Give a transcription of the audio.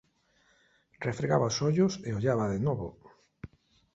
Refregaba os ollos e ollaba de novo.